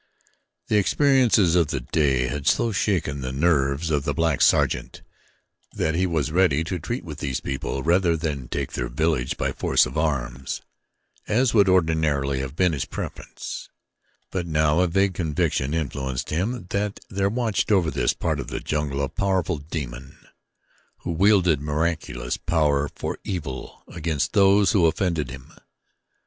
The experiences of the day had so shaken the nerves of the black sergeant that he was ready to treat with these people rather than take their village by force of arms, as would ordinarily have been his preference; but now a vague conviction influenced him that there watched over this part of the jungle a powerful demon who wielded miraculous power for evil against those who offended him.